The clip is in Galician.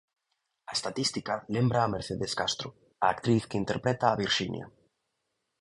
A estatística lémbraa Mercedes Castro, a actriz que interpreta a Virxinia.